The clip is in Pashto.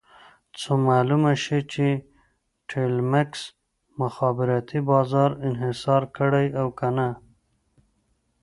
څو معلومه شي چې ټیلمکس مخابراتي بازار انحصار کړی او که نه.